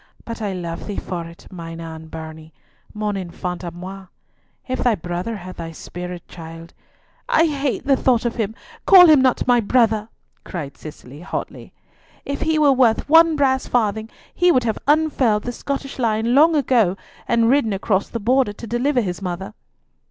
But I love thee for it, mine ain bairnie, mon enfant a moi. If thy brother had thy spirit, child—" "I hate the thought of him! Call him not my brother!" cried Cicely hotly. "If he were worth one brass farthing he would have unfurled the Scottish lion long ago, and ridden across the Border to deliver his mother."